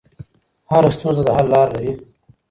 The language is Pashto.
هر ستونزه د حل لار لري.